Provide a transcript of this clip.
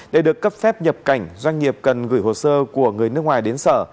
để được cấp phép nhập cảnh doanh nghiệp cần gửi hồ sơ của người nước ngoài đến sở